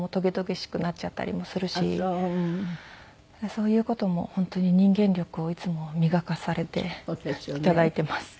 そういう事も本当に人間力をいつも磨かされて頂いています。